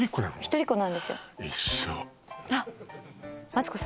１人っ子なんですよ